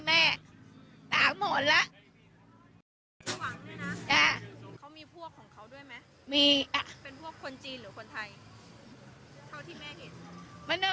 กลับประเทศว่างันมานะ